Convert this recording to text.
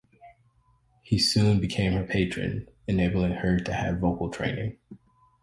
He soon became her patron, enabling her to have vocal training.